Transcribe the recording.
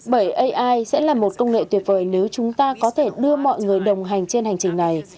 bởi ai sẽ là một công nghệ tuyệt vời nếu chúng ta có thể đưa mọi người đồng hành trên hành trình này